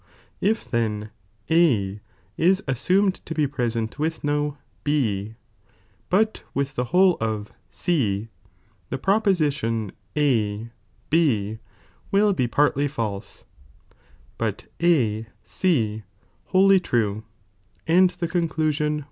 If then A is assumed to be present with no B, but with the whole of C, the proposition A B will be partly false, bat A C wholly true, and the conclusion t Eismpie (i.)